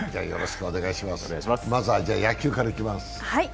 まずは野球からいきます。